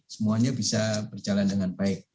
semuanya bisa berjalan dengan baik